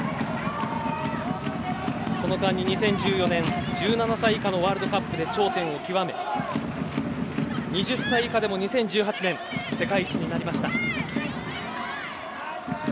その間に、２０１４年１７歳以下のワールドカップで頂点を極め２０歳以下でも２０１８年世界一になりました。